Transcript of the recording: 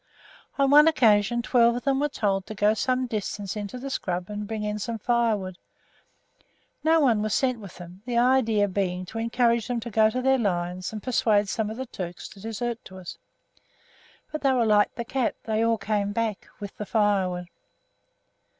On one occasion twelve of them were told to go some distance into the scrub and bring in some firewood. No one was sent with them, the idea being to encourage them to go to their lines and persuade some of the Turks to desert to us. But they were like the cat; they all came back with the firewood.